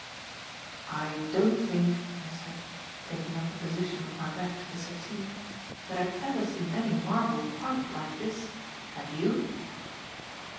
"I don't think," I said, taking up a position with my back to the settee, "that I have ever seen any marble quite like this. Have you?"